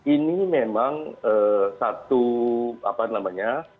ini memang satu apa namanya